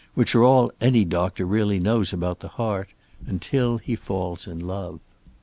Which are all any doctor really knows about the heart, until he falls in love.